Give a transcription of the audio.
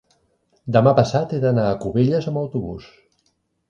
demà passat he d'anar a Cubelles amb autobús.